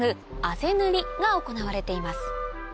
あぜ塗りが行われています